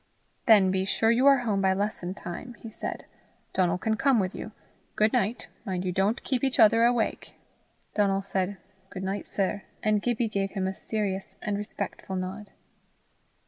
"Then be sure you are home by lesson time," he said. "Donal can come with you. Good night. Mind you don't keep each other awake." Donal said "Good night, sir," and Gibbie gave him a serious and respectful nod.